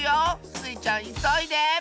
スイちゃんいそいで！